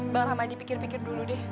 bang rahmadi pikir pikir dulu deh